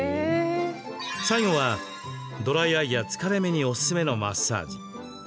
最後は、ドライアイや疲れ目におすすめのマッサージ。